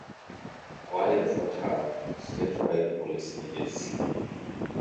Hawaii does not have a statewide police agency.